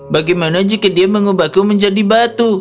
bagaimana jika dia mengubahku menjadi batu